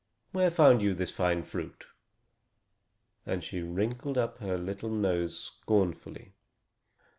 Where found you this fine fruit?" and she wrinkled up her little nose scornfully.